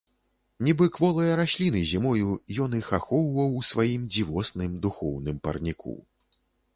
Нібы кволыя расліны зімою, ён іх ахоўваў у сваім дзівосным духоўным парніку.